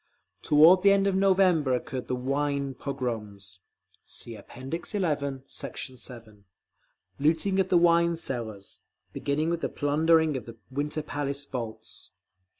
Toward the end of November occurred the "wine pogroms" (See App. XI, Sect. 7)—looting of the wine cellars—beginning with the plundering of the Winter Palace vaults.